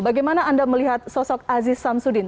bagaimana anda melihat sosok aziz samsudin